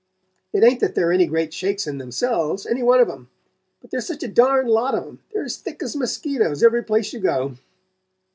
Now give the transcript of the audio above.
"It ain't that they're any great shakes in themselves, any one of 'em; but there's such a darned lot of 'em: they're as thick as mosquitoes, every place you go."